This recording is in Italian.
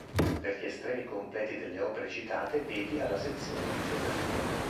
Per gli estremi completi delle opere citate vedi alla sezione Bibliografia.